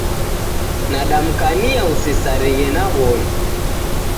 Nadamkania usesarighe na w'omi.